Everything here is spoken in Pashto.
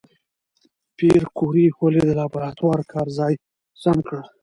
پېیر کوري ولې د لابراتوار کار ځای سم کړ؟